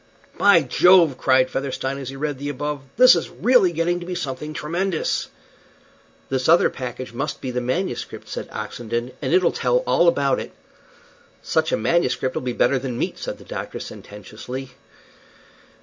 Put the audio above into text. "By Jove!" cried Featherstone, as he read the above, "this is really getting to be something tremendous." "This other package must be the manuscript," said Oxenden, "and it'll tell all about it." "Such a manuscript'll be better than meat," said the doctor, sententiously.